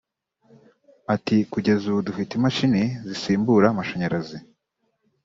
Ati “Kugeza ubu dufite imashini zisimbura amashanyarazi